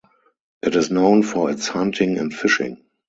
It is known for its hunting and fishing.